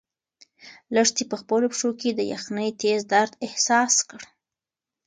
لښتې په خپلو پښو کې د یخنۍ تېز درد احساس کړ.